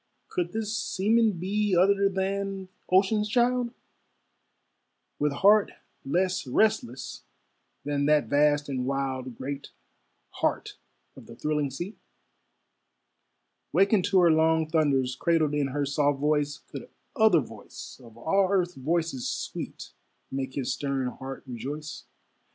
Could this seaman be Other than ocean's child, With heart less restless than that vast and wild Great heart of the thrilling sea? Wakened to her long thunders, Cradled in her soft voice, Could other voice of all earth's voices sweet Make his stern heart rejoice?